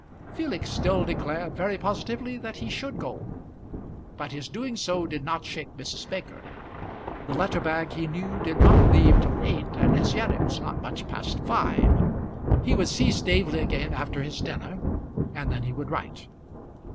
Felix still declared very positively that he should go, but his doing so did not shake Mrs. Baker. The letter bag he knew did not leave till eight, and as yet it was not much past five. He would see Staveley again after his dinner, and then he would write.